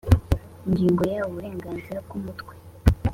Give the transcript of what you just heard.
Ingingo ya uburenganzira bw umutwe